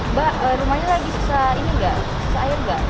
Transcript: mbak rumahnya lagi susah ini nggak susah air nggak